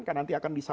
karena nanti akan